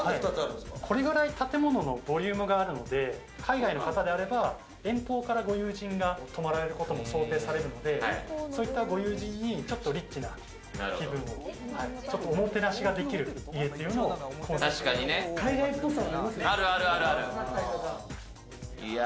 これくらい建物にボリュームがあるので、海外の方であれば遠方からご友人が泊まられることも想定されるので、そういったご友人にちょっとリッチな気分をおもてなしができる家というのがコンセプトに。